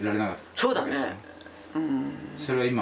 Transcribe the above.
そうだね。